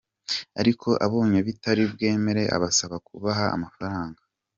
Ariko abonye bitari bwemere abasaba kubaha amafaranga.